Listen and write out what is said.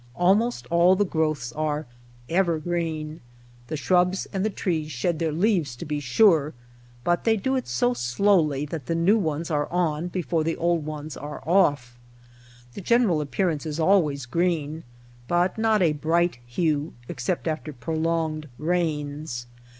Almost all the growths are ^^ evergreen.^^ The shrubs and the trees shed their leaves, to be sure, but they do it so slowly that the new ones are on before the old ones are off. The general appearance is always green, but not a bright hue, except after prolonged rains.